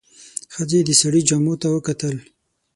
ښځې د سړي جامو ته وکتل.